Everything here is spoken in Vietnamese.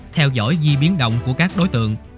theo dõi di biến động của các đối tượng